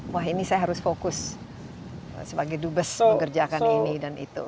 wah ini saya harus fokus sebagai dubes mengerjakan ini dan itu